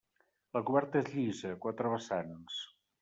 La coberta és llisa, a quatre vessants.